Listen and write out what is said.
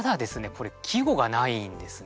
これ季語がないんですね。